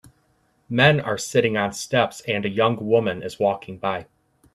Men are sitting on steps and a young woman is walking by.